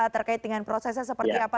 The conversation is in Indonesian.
terkait dengan prosesnya seperti apa